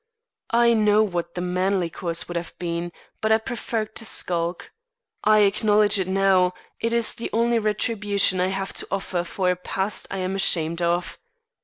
I know what the manly course would have been, but I preferred to skulk. I acknowledge it now; it is the only retribution I have to offer for a past I am ashamed of.